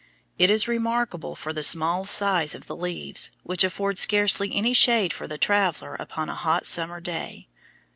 It is remarkable for the small size of the leaves, which afford scarcely any shade for the traveller upon a hot summer day.